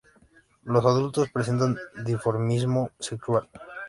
Los adultos presentan dimorfismo sexual.